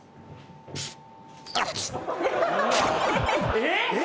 えっ？